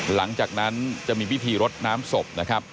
หลังจากนั้นจะมีพิธีรถน้ำศพ